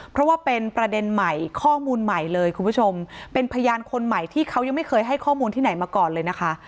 เพราะว่าเป็นประเด็นใหม่ข้อมูลใหม่เลยคุณผู้ชมเป็นพยานคนใหม่ที่เขายังไม่เคยให้ข้อมูลที่ไหนมาก่อนเลยนะคะ